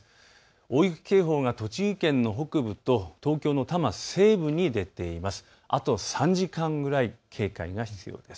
大雪警報が栃木県の北部と東京の多摩西部に出ています。